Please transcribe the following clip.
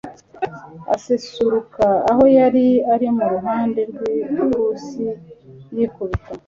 asesuruka aho yari ari mu ruhande rw ikusi yikubita